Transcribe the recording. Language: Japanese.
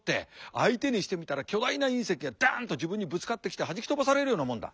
相手にしてみたら巨大な隕石がダンと自分にぶつかってきてはじき飛ばされるようなもんだ。